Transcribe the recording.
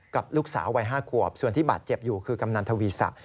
กับลูกสาววัย๕ขวบส่วนที่บาดเจ็บอยู่คือกำนันทวีศักดิ